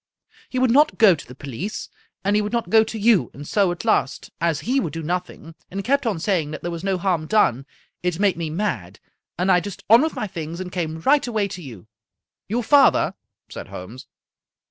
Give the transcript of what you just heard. He would not go to the police, and he would not go to you, and so at last, as he would do nothing, and kept on saying that there was no harm done, it made me mad, and I just on with my things and came right away to you." 45 Scotch Mystery Stories " Your father? " said Holmes.